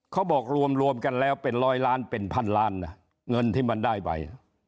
เขาบอกรวมกันแล้วเป็นร้อยล้านเป็นพันล้านนะเงินที่มันได้ไป